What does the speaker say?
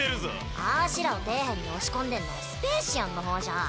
あしらを底辺に押し込んでんのはスペーシアンの方じゃん。